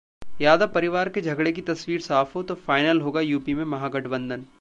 यादव परिवार के झगड़े की तस्वीर साफ हो, तो फाइनल होगा यूपी में महागठबंधन